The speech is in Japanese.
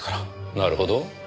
なるほど。